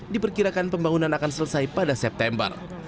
diperkirakan pembangunan akan selesai pada september